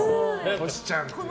トシちゃんっていう。